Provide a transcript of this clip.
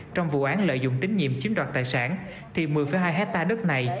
trong vụ án lợi dụng tín nhiệm chiếm đoạt tài sản thì một mươi hai hectare đất này